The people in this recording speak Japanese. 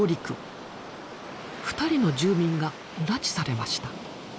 ２人の住民が拉致されました。